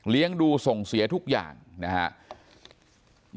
เลี้ยงดูส่งเสียทุกอย่างนะฮะ